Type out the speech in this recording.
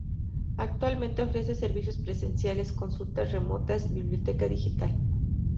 Actualmente ofrece servicios presenciales, consultas remotas, biblioteca digital.